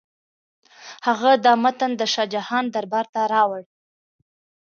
هغه دا متن د شاه جهان دربار ته راوړ.